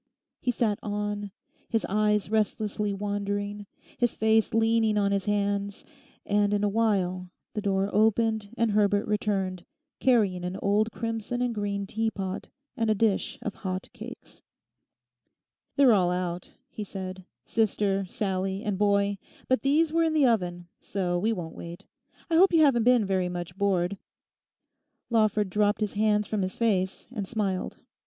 He sat on, his eyes restlessly wandering, his face leaning on his hands; and in a while the door opened and Herbert returned, carrying an old crimson and green teapot and a dish of hot cakes. 'They're all out,' he said; 'sister, Sallie, and boy; but these were in the oven, so we won't wait. I hope you haven't been very much bored.' Lawford dropped his hands from his face and smiled.